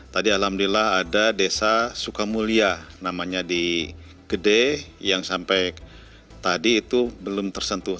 tadi alhamdulillah ada desa sukamulia namanya di gede yang sampai tadi itu belum tersentuh